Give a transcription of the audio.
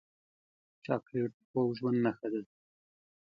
چاکلېټ د خوږ ژوند نښه ده.